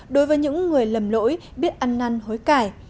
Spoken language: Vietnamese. đối với những người lầm lỗi biết ăn năn hối cải